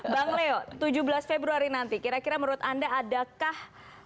bang leo tujuh belas februari nanti kira kira menurut anda adakah